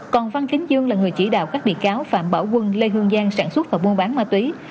còn văn kính dương là người chỉ đạo các bị cáo phạm bảo quân lê hương giang sản xuất và buôn bán ma túy